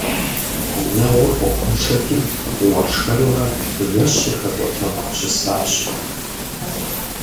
Гъунэгъур Ӏуэхуншэти, уэршэрурэ жэщыр хэкӀуэтэху щысащ.